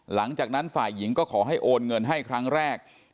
หลังจากนั้นฝ่ายหญิงก็ขอให้โอนเงินให้ครั้งแรก